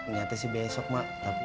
nyarisnya besok mak tapi